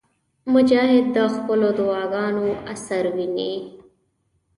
مجاهد د خپلو دعاګانو اثر ویني.